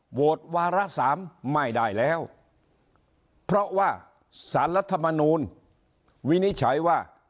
โหวตวาระสามไม่ได้แล้วเพราะว่าสารรัฐมนูลวินิจฉัยว่า